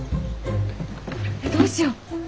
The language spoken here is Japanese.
えどうしよう？